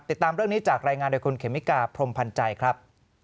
ติดตามเรื่องนี้จากรายงานโดยคุณเขมิกาพรมพันธ์ใจครับ